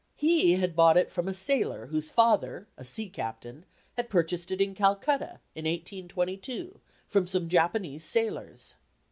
He had bought it from a sailor whose father, a sea captain, had purchased it in Calcutta, in 1822, from some Japanese sailors.